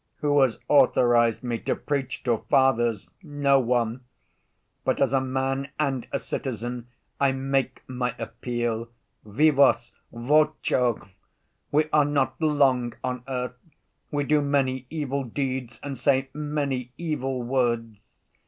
Who has authorized me to preach to fathers? No one. But as a man and a citizen I make my appeal—vivos voco! We are not long on earth, we do many evil deeds and say many evil words.